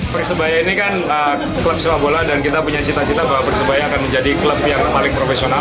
persebaya ini kan klub sepak bola dan kita punya cita cita bahwa persebaya akan menjadi klub yang paling profesional